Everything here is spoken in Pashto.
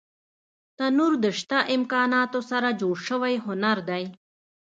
تنور د شته امکاناتو سره جوړ شوی هنر دی